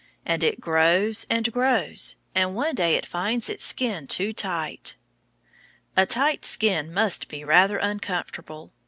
And it grows and grows, and one day it finds its skin too tight. A tight skin must be rather uncomfortable.